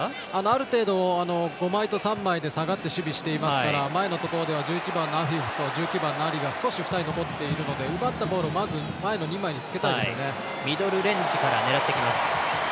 ある程度５枚と３枚で下がって守備していますから前のところでは１１番のアフィフと１８番のアリが少し２人残っているので奪ったボールを前の２枚につけたいですね。